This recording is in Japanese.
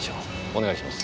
お願いします。